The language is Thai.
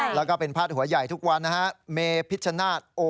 แล้วก็เป็นภาษาหัวใหญ่ทุกวันนะฮะ